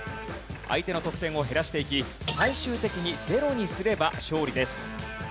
相手の得点を減らしていき最終的にゼロにすれば勝利です。